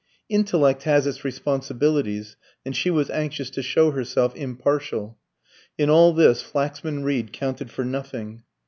Intellect has its responsibilities, and she was anxious to show herself impartial. In all this Flaxman Reed counted for nothing.